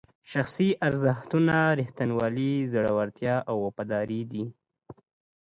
شخصي ارزښتونه ریښتینولي، زړورتیا او وفاداري دي.